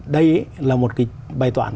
đây là một cái bài toán